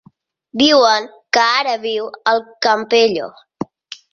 Diuen que ara viu al Campello.